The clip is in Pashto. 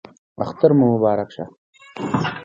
اختر مو مبارک شه